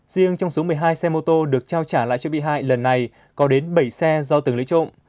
riêng trong số một mươi hai xe mô tô được trao trả lại cho bị hại lần này có đến bảy xe do từng lấy trộm